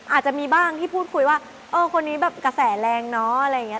อาจจะมีบ้างที่พูดคุยว่าเออคนนี้แบบกระแสแรงเนอะอะไรอย่างนี้